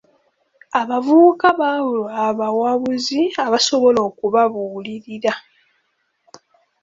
Abavubuka babulwa abawabuzi abasobola okubabuulirira.